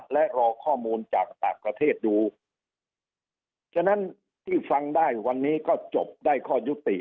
และรอข้อมูลจากต่างประเทศอยู่ฉะนั้นที่ฟังได้วันนี้ก็จบได้ข้อยุติ